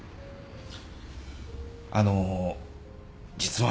あの実は。